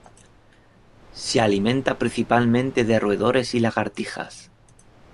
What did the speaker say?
Se alimenta principalmente de roedores y lagartijas.